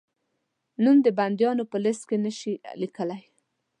نوم د بندیانو په لېسټ کې نه شې لیکلای؟